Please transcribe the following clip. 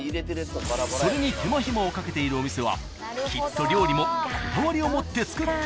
［それに手間暇をかけているお店はきっと料理もこだわりを持って作っているはず］